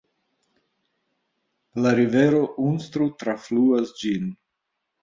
La rivero Unstrut trafluas ĝin.